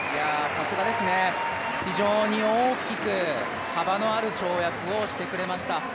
さすがですね、非常に大きく幅のある跳躍をしてくれました。